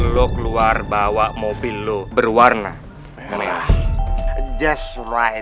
lu keluar bawa mobil lu berwarna merah